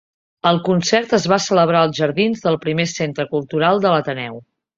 El concert es va celebrar als jardins del primer centre cultural de l'Ateneu.